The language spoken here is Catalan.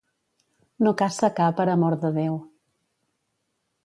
No caça ca per amor de Déu.